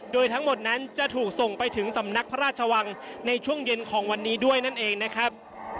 โดยทั้งหมดนั้นจะถูกส่งไปถึงสำนักพระราชวังในช่วงเย็นของวันนี้ด้วยนั่นเองนะครับ